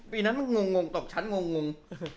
ปีนั้นมันงงตบฉันงง